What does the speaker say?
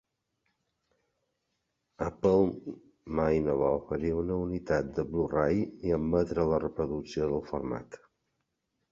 Apple mai no va oferir una unitat de Blu-Ray ni admetre la reproducció del format.